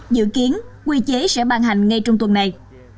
dự kiến quy chế sẽ ban hành ngay trong tuần này